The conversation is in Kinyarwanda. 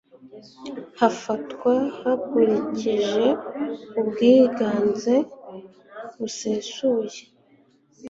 bifatwa hakurikijwe ubwiganze busesuye